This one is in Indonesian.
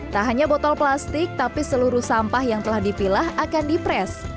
tak hanya botol plastik tapi seluruh sampah yang telah dipilah akan di pres